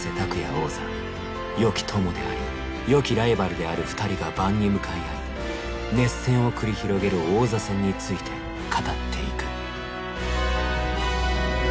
王座よき友でありよきライバルである２人が盤に向かい合い熱戦を繰り広げる王座戦について語っていく。